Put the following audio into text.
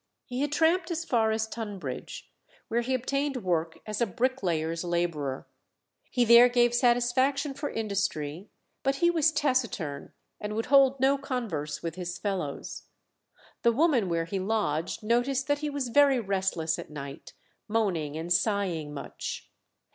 He had tramped as far as Tunbridge, where he obtained work as a bricklayer's labourer; he there gave satisfaction for industry, but he was taciturn, and would hold no converse with his fellows. The woman where he lodged noticed that he was very restless at night, moaning and sighing much.